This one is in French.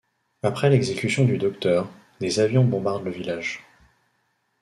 Après l'exécution du docteur, des avions bombardent le village.